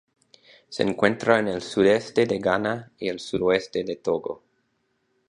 Se encuentra en el sudeste de Ghana y el sudoeste de Togo.